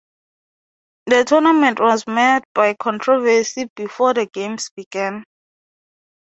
The tournament was marred by controversy before the Games began.